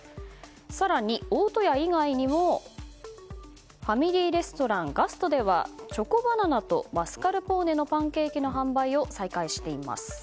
更に、大戸屋以外にもファミリーレストランガストではチョコバナナとマスカルポーネのパンケーキの販売を再開しています。